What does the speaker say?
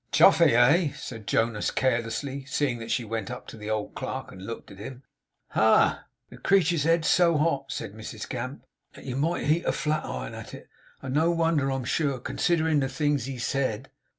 'Chuffey, eh?' said Jonas carelessly, seeing that she went up to the old, clerk, and looked at him. 'Ha!' 'The creetur's head's so hot,' said Mrs Gamp, 'that you might heat a flat iron at it. And no wonder I am sure, considerin' the things he said!